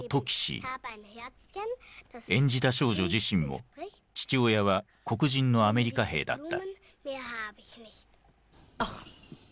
演じた少女自身も父親は黒人のアメリカ兵だった。